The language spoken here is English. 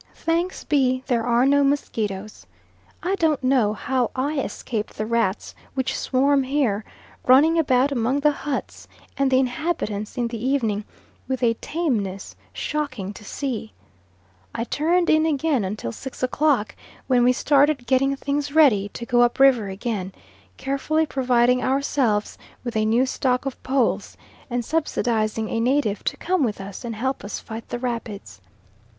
Thanks be there are no mosquitoes. I don't know how I escaped the rats which swarm here, running about among the huts and the inhabitants in the evening, with a tameness shocking to see. I turned in again until six o'clock, when we started getting things ready to go up river again, carefully providing ourselves with a new stock of poles, and subsidising a native to come with us and help us to fight the rapids.